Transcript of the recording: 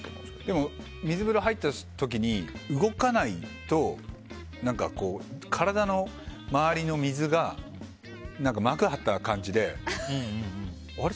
でも水風呂、入った時に動かないと体の周りの水が膜を張った感じであれ？